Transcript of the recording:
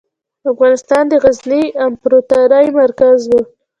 افغانستان د غزني امپراتورۍ مرکز و.